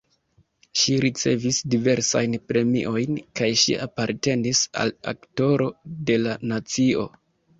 Ŝi ricevis diversajn premiojn kaj ŝi apartenis al Aktoro de la nacio.